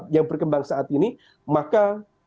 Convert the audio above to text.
yang berkembang saat ini maka